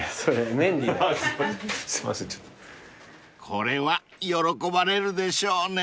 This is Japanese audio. ［これは喜ばれるでしょうね］